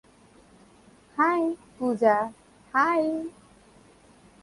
High, Puja, - high.